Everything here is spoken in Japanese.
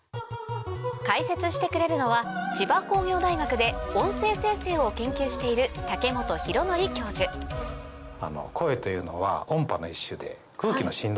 解説してくれるのは千葉工業大学で音声生成を研究している音波の一種で。